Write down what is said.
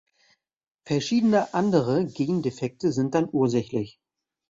Verschiedene andere Gendefekte sind dann ursächlich.